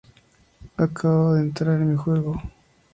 Acabo de entrar en mi juego.